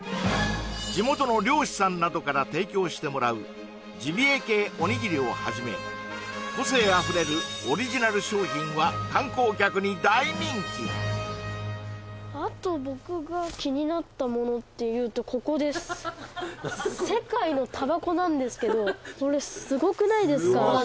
地元の猟師さんなどから提供してもらうジビエ系おにぎりをはじめ個性あふれるオリジナル商品は観光客に大人気あと僕が気になったものっていうとここです世界のタバコなんですけどこれすごくないですか？